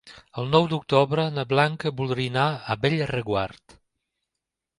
El nou d'octubre na Blanca voldria anar a Bellreguard.